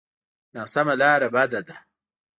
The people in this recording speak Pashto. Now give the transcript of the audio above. ناسمه لاره بده ده.